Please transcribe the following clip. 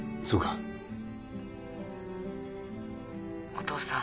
☎お父さん。